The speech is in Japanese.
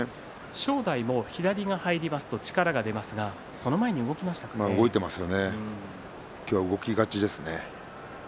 正代も左が入りますと力が出ますが今日は動き勝ちですね。